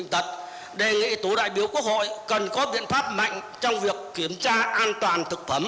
các vấn đề vệ sinh an toàn thực phẩm